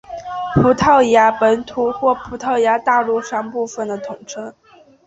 葡萄牙本土或葡萄牙大陆上部分的通称。